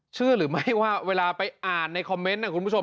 เชื่อหรือไม่ว่าเวลาไปอ่านในคอมเมนต์นะคุณผู้ชม